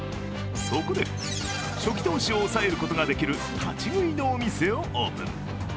そこで初期投資を抑えることができる立ち食いのお店をオープン。